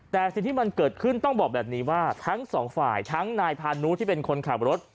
แต่สิ่งที่มันเกิดขึ้นต้องบอกแบบนี้ว่าทั้งสองฝ่ายทั้งนายพานุที่เป็นคนขับรถ